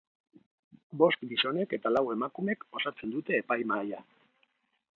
Bost gizonek eta lau emakumek osatzen dute epaimahia.